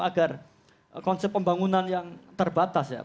agar konsep pembangunan yang terbatas ya